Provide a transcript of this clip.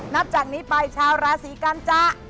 นับจากนี้ไปชาวราศีกันจะ